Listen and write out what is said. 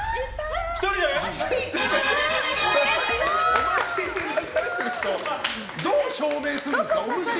お虫に刺されてる人どう証明するんですか。